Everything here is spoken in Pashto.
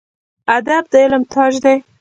ادب د علم تاج دی